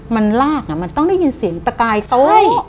มันลากมันต้องได้ยินเสียงตะกายโต้